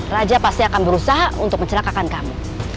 raja pasti akan berusaha untuk mencelakakan kamu